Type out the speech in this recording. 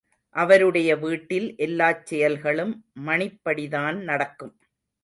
அவருடைய வீட்டில் எல்லாச்செயல்களும் மணிப்படிதான் நடக்கும்.